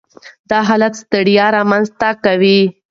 دا حالت ستړیا رامنځ ته کوي.